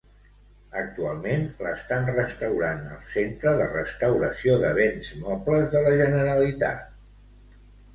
Actualment, l'estan restaurant al Centre de Restauració de Béns Mobles de la Generalitat.